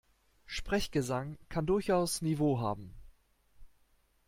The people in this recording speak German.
Sprechgesang kann durchaus Niveau haben.